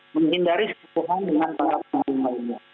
menghindari kesentuhan dengan para penyelenggara lainnya